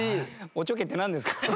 おちょけってなんですか？